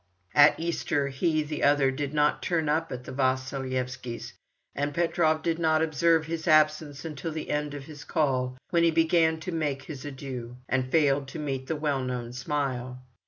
At Easter, he, the other, did not turn up at the Vasilyevskys', and Petrov did not observe his absence until the end of his call, when he had begun to make his adieux, and failed to meet the well known smile.